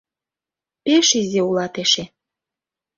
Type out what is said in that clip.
Пеш изи улат эше!